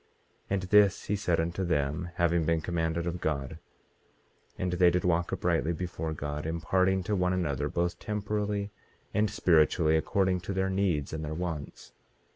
18:29 And this he said unto them, having been commanded of God; and they did walk uprightly before God, imparting to one another both temporally and spiritually according to their needs and their wants.